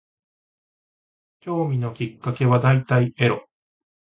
興味のきっかけは大体エロ